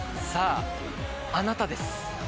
さああなたです。